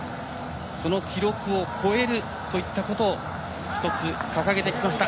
その記録を超えるといったことを一つ掲げてきました。